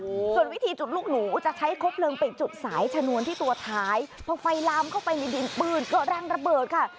อืมส่วนวิธีจุดลูกหนูจะใช้ครบเลิงไปจุดสายชนวนที่ตัวท้ายพอไฟลามเข้าไปในดินปืนก็แรงระเบิดค่ะ